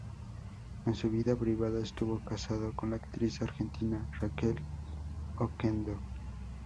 En su vida privada estuvo casado con la actriz argentina Raquel Oquendo.